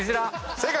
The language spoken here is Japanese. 正解。